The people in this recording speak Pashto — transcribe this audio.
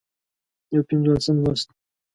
یو پينځوسم لوست